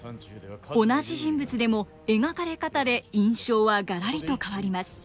同じ人物でも描かれ方で印象はがらりと変わります。